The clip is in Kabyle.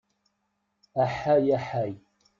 Aḥay aḥay!